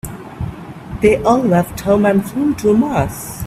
They all left home and flew to Mars.